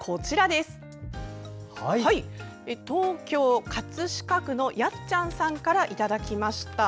東京・葛飾区のヤッチャンさんからいただきました。